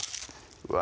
うわ